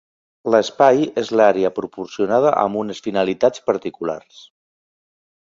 L'espai és l'àrea proporcionada amb unes finalitats particulars.